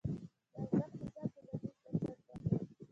د ارزښت نظام ټولنیز بنسټ درلود.